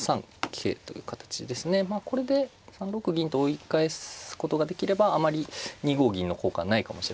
これで３六銀と追い返すことができればあまり２五銀の効果はないかもしれません。